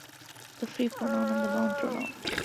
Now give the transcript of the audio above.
The free pronoun and the bound pronoun.